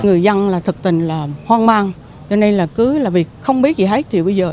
người dân là thật tình là hoang mang cho nên là cứ là việc không biết gì hết